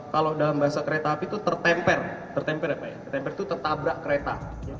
kalau dalam bahasa kereta api itu tertemper tertabrak kereta